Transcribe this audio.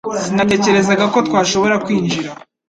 Sinatekerezaga ko twashobora kwinjira